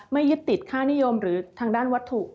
ไม่ยึดติดค่านิยมหรือทางด้านวัตถุ